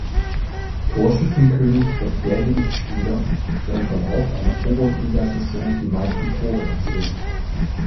Torschützenkönig wird derjenige Spieler, der im Verlauf einer Oberligasaison die meisten Tore erzielt.